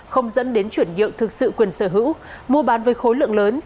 không dẫn đến chuyển nhượng thực sự quyền sở hữu mua bán với khối lượng lớn